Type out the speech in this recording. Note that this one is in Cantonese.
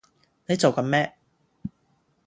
你做緊咩